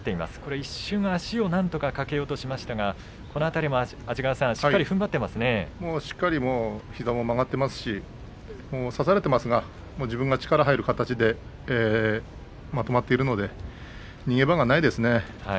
一瞬足を掛けようとしましたがこの辺りもしっかり膝も曲がっていますし差されていますが自分が力が入る形でまとまっているので逃げ場がないですね。